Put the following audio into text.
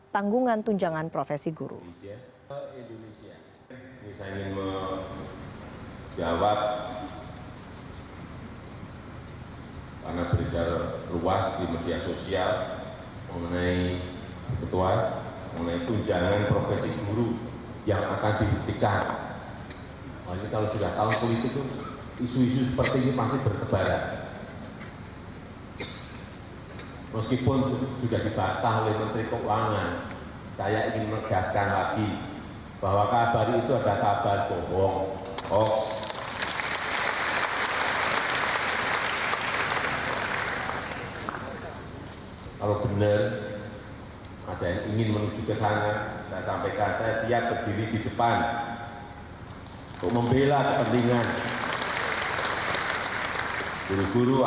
tanggungan tunjangan profesi guru